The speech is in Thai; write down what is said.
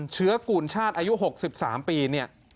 เชื้อกูลชาติอายุ๖๓ปี